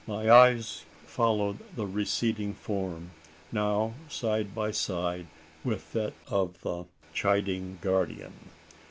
My eyes followed the receding form, now side by side with that of the chiding guardian.